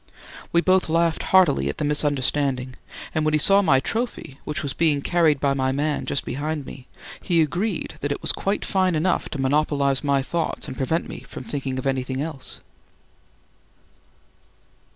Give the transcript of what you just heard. We both laughed heartily at the misunderstanding, and when he saw my trophy, which was being carried by my man just behind me, he agreed that it was quite fine enough to monopolise my thoughts and prevent me from thinking of anything else.